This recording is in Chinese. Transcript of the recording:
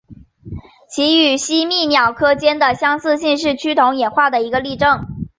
其与吸蜜鸟科间的相拟性是趋同演化的一个例证。